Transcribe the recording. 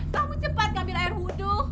kamu cepat ambil air wudhu